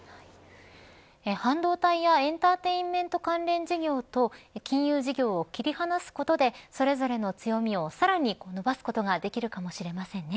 半導体やエンターテインメント関連事業と金融事業を切り離すことでそれぞれの強みをさらに伸ばすことができるかもしれませんね。